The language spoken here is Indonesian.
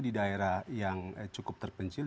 di daerah yang cukup terpencil